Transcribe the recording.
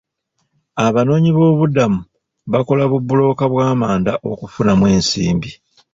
Abanoonyiboobubudamu bakola obubulooka bw'amanda okufunamu ensimbi.